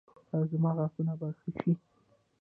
ایا زما غاښونه به ښه شي؟